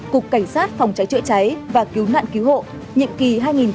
cục cảnh sát phòng cháy chữa cháy và cứu nạn cứu hộ nhiệm kỳ hai nghìn hai mươi hai nghìn hai mươi năm